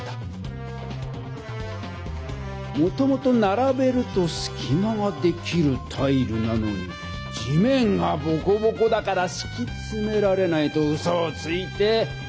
もともとならべるとすきまができるタイルなのに「地面がボコボコだからしきつめられない」とうそをついて。